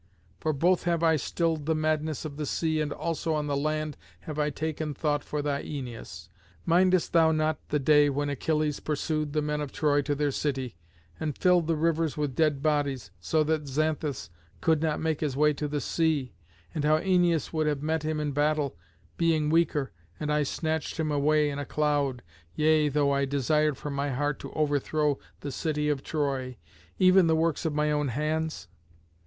For both have I stilled the madness of the sea and also on the land have I taken thought for thy Æneas. Mindest thou not the day when Achilles pursued the men of Troy to their city, and filled the rivers with dead bodies, so that Xanthus could not make his way to the sea, and how Æneas would have met him in battle, being weaker, and I snatched him away in a cloud, yea though I desired from my heart to overthrow the city of Troy, even the works of my own hands?